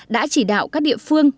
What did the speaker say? đã chỉ đạo các địa phương